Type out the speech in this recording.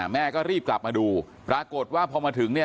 แม่ก็รีบกลับมาดูปรากฏว่าพอมาถึงเนี่ย